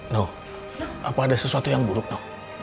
no apa ada sesuatu yang buruk no